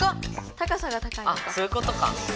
あっそういうことか。